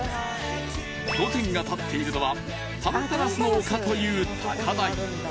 ［御殿が立っているのはタンタラスの丘という高台］